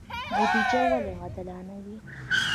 بودجه ولې عادلانه وي؟